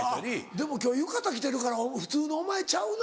でも今日浴衣着てるから普通のお前ちゃうな？